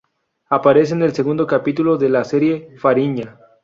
Aparece en el segundo capítulo de la serie "Fariña".